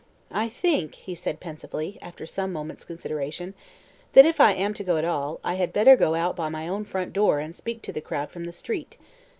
"I think," he said pensively, after some moments' consideration, "that if I am to go at all, I had better go out by my own front door and speak to the crowd from the street.